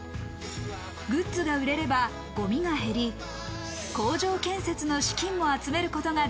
グッズが売れればゴミが減り、工場建設の資金も集めることがで